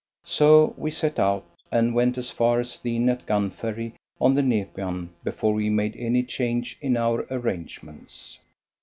So we set out and went as far as the inn at Gum Ferry on the Nepean before we made any change in our arrangements.